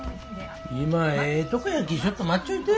今ええとこやけぇちょっと待っちょいて。